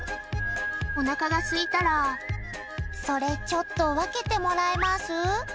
おなかがすいたら、それちょっと分けてもらえます？